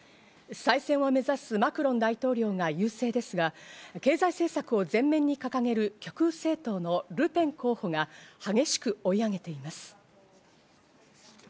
再選を目指すマクロン大統領が優勢ですが、経済政策を前面に掲げる極右政党のルペン候補が激しく追い上げています。